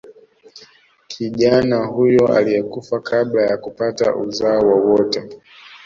Kijana huyo aliyekufa kabla ya kupata uzao wowote